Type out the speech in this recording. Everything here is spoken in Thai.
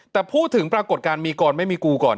แต่พูดถึงปรากฏการณ์มีกรไม่มีกูก่อน